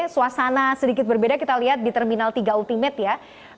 suasana sedikit berbeda kita lihat di terminal tiga ultimate ya